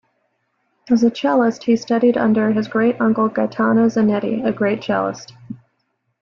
As a cellist, he studied under his great-uncle, Gaetano Zanetti, a great cellist.